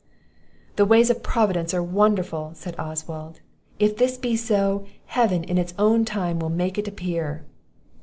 "The ways of Providence are wonderful," said Oswald. "If this be so, Heaven in its own time will make it appear."